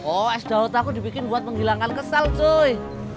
oh es daur takut dibikin buat menghilangkan kesel coy